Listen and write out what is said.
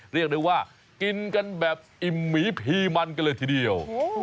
เรียกได้ว่ากินกันแบบอิ่มหมีพีมันกันเลยทีเดียว